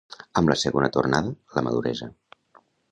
Amb la segona tornada, la maduresa.